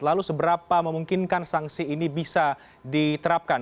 lalu seberapa memungkinkan sanksi ini bisa diterapkan